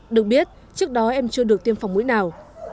được biết trước đó em chưa được tiêm phòng mũi nào